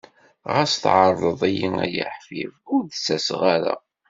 Ɣas tɛerḍeḍ-iyi ay aḥbib, ur d-ttaseɣ ara.